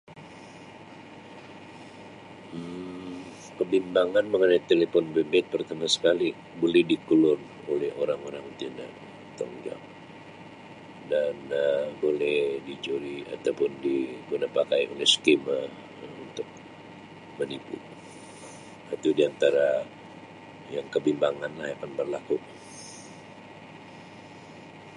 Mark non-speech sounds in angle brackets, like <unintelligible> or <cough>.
Um Kebimbangan mengenai telipon bimbit pertama sekali boleh di klon oleh orang-orang cina <unintelligible> dan Um boleh dicuri atau pun diguna pakai oleh scammer Um untuk menipu Um tu di antara yang kebimbanganlah apa yang berlaku.